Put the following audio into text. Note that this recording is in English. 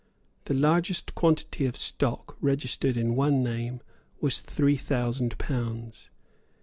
The largest quantity of stock registered in one name was three thousand pounds.